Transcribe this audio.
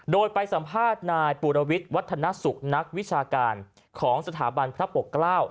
โดยไปสัมภาษณ์นายปุรวิทย์วัฒนสุขนักวิชาการของสถาบันพระปกเกล้า